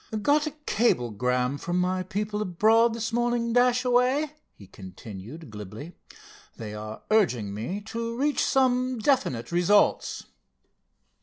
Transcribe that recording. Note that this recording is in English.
"Got a cablegram from my people abroad this morning, Dashaway," he continued glibly. "They are urging me to reach some definite results."